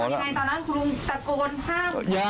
ตอนนั้นคุณลุงตะโกนห้าม